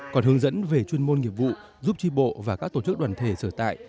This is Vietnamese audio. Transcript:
còn hướng dẫn về chuyên môn nghiệp vụ giúp tri bộ và các tổ chức đoàn thể sở tại